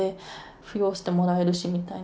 扶養してもらえるしみたいな。